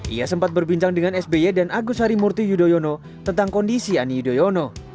ia sempat berbincang dengan sby dan agus harimurti yudhoyono tentang kondisi ani yudhoyono